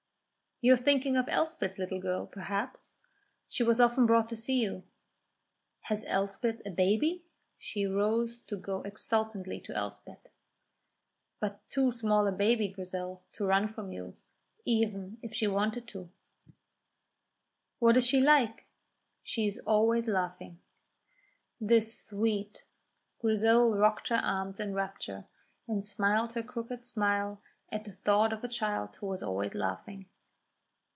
"You are thinking of Elspeth's little girl, perhaps. She was often brought to see you." "Has Elspeth a baby?" She rose to go exultantly to Elspeth. "But too small a baby, Grizel, to run from you, even if she wanted to." "What is she like?" "She is always laughing." "The sweet!" Grizel rocked her arms in rapture and smiled her crooked smile at the thought of a child who was always laughing.